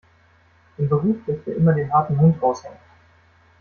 Im Beruf lässt er immer den harten Hund raushängen.